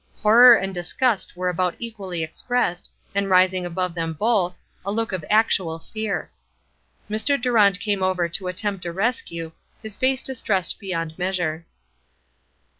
Horror and disgust were about equally expressed, and rising above them both, a look of actual fear. Mr. Durant came over to attempt a rescue, his face distressed beyond measure.